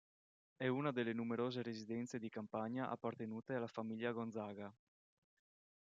È una delle numerose residenze di campagna appartenute alla famiglia Gonzaga.